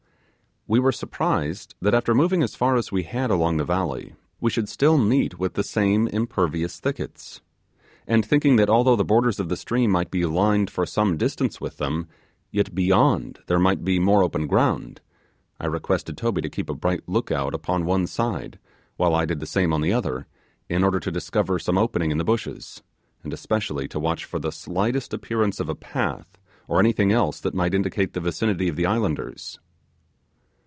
We were surprised that, after moving as far as we had along the valley, we should still meet with the same impervious thickets; and thinking, that although the borders of the stream might be lined for some distance with them, yet beyond there might be more open ground, I requested Toby to keep a bright look out upon one side, while I did the same on the other, in order to discover some opening in the bushes, and especially to watch for the slightest appearance of a path or anything else that might indicate the vicinity of the islanders.